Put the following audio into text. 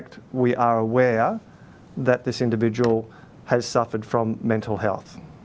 kami tahu bahwa pelaku ini telah menderita keadaan mental